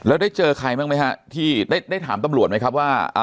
แล้วได้เจอใครบ้างไหมฮะที่ได้ถามตำรวจไหมครับว่า